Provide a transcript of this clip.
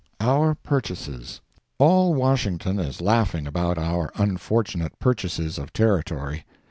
Our Purchases. All Washington is laughing about our unfortunate purchases of territory.